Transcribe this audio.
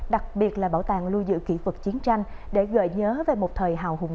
đặc biệt là bảo tàng lưu giữ kỹ vật chiến tranh để gợi nhớ về một thời hào hùng